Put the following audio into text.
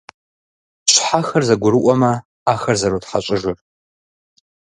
Щхьэхэр зэгурыӀуэмэ, Ӏэхэр зэротхьэщӀыжыр.